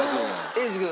英二君